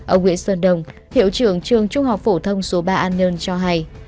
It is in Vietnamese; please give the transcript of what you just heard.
ở nguyễn sơn đông hiệu trường trường trung học phổ thông số ba an nhơn cho hay